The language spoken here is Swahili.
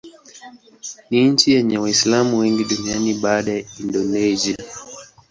Ni nchi yenye Waislamu wengi duniani baada ya Indonesia.